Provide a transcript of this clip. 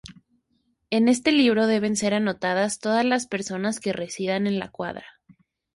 En este libro deben ser anotadas todas las personas que residan en la cuadra.